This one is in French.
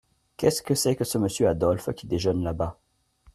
Qu’est-ce que c’est que ce Monsieur Adolphe qui déjeune là-bas ?